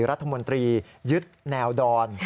รัฐมนตรียึดแนวดอน